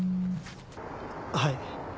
はい。